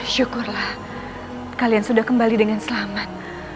syukurlah kalian sudah kembali dengan selamat